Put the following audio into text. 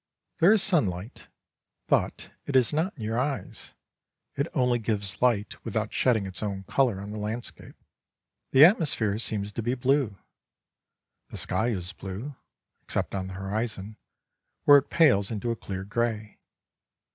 There is sunlight, but it is not in your eyes, it only gives light without shedding its own colour on the landscape. The atmosphere seems to be blue; the sky is blue, except on the horizon, where it pales into a clear grey.